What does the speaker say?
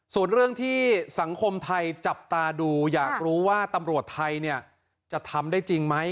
ส่วนเรื่องที่สังคมไทยจับตาดูอยากรู้ว่าตำรวจไทยเนี่ยจะทำได้จริงไหม